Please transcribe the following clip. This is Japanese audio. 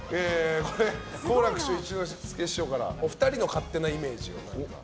好楽師匠、一之輔師匠からお二人の勝手なイメージを。